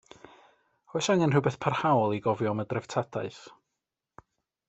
Oes angen rhywbeth parhaol i gofio am y dreftadaeth?